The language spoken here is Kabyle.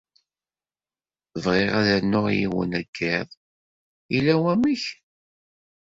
Bɣiɣ ad rnuɣ yiwen yiḍ. Yella wamek?